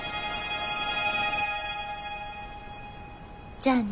じゃあね。